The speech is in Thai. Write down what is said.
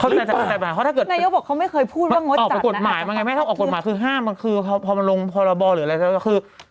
อ๋อหรือเปล่านายกบอกคงไม่เคยพูดว่างดจัดนะคะ